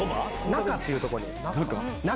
那珂っていうとこに。